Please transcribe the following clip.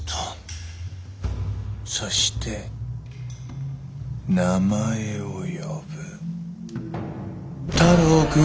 そして名前を呼ぶ太郎くん。